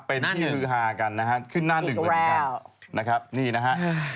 เป็นที่ฮือฮากันนะครับขึ้นหน้าหนึ่งเลยนะครับนะครับนี่นะฮะ